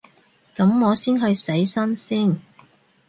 噉我去洗身先